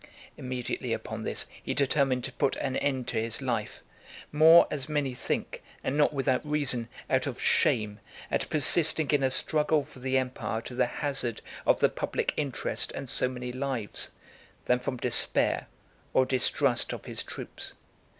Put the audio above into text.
Immediately upon this he determined to put an end to his life, more, as many think, and not without reason, out of shame, at persisting in a struggle for the empire to the hazard of the public interest and so many lives, than from despair, or distrust of his troops.